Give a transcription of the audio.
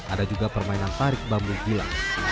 ada juga permainan tarik bambu gila